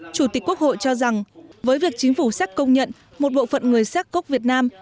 chủ tịch quốc hội cho rằng với việc chính phủ xác công nhận một bộ phận người xác cốc việt nam